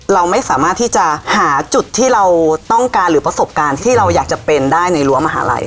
เราไม่สามารถที่จะหาจุดที่เราต้องการหรือประสบการณ์ที่เราอยากจะเป็นได้ในรั้วมหาลัย